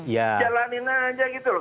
jalanin aja gitu loh